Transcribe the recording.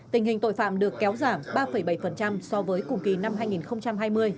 tình hình tội phạm được kéo giảm ba bảy so với cùng kỳ năm hai nghìn hai mươi